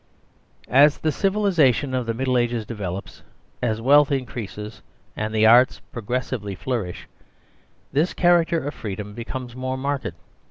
As the civilisation of the Middle Ages develops, as wealth increases and the arts progressively flourish, this character of freedom becomes more marked.